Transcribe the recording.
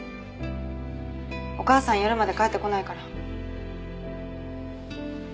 お母さん夜まで帰ってこないから。